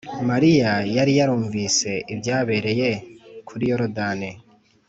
. Mariya yari yarumvise ibyabereye kuri Yorodani